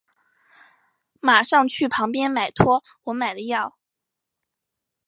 马上去旁边买托我买的药